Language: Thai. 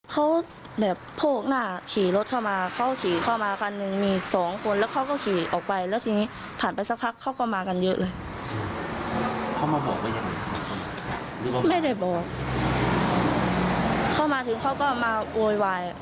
เพราะแบบโพกหน้าขี่รถเข้ามาเข้าขี่เข้ามีสองคนแล้วเขาก็ขี่ออกไปแล้วทีนี้ผ่านไปสักพักเข้าก็มากันเยอะเลยอืมเข้ามาที่เขาก็อาวุโย